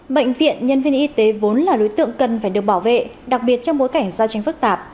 bệnh viện nhân viên y tế vốn là đối tượng cần phải được bảo vệ đặc biệt trong bối cảnh giao tranh phức tạp